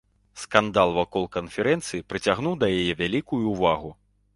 Скандал вакол канферэнцыі прыцягнуў да яе вялікую ўвагу.